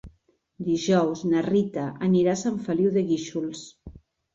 Dijous na Rita anirà a Sant Feliu de Guíxols.